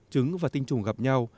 trứng và tinh trùng gặp nhau